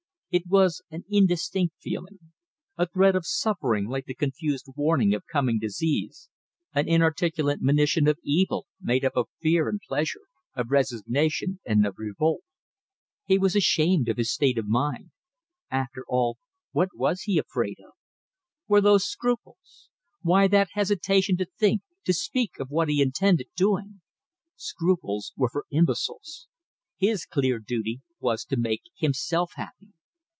It was an indistinct feeling, a threat of suffering like the confused warning of coming disease, an inarticulate monition of evil made up of fear and pleasure, of resignation and of revolt. He was ashamed of his state of mind. After all, what was he afraid of? Were those scruples? Why that hesitation to think, to speak of what he intended doing? Scruples were for imbeciles. His clear duty was to make himself happy.